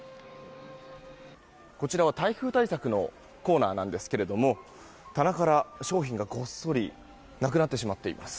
こちらは台風対策のコーナーなんですが棚から商品が、ごっそりなくなってしまっています。